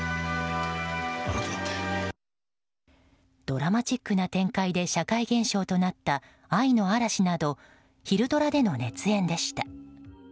ドラマチックな展開で社会現象となった「愛の嵐」など昼ドラでの熱演でした。